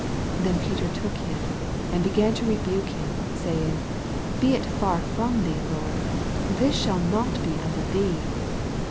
22 Then Peter took him, and began to rebuke him, saying. Be it far ttom thee, Lord: this shall not be unto thee.